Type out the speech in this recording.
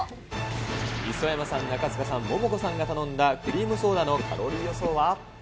磯山さん、中務さん、モモコさんが頼んだ、クリームソーダのカロリー予想は。